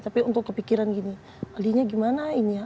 tapi untuk kepikiran gini ahlinya gimana ini ya